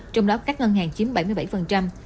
trong đó các ngân hàng chiếm bảy mươi bảy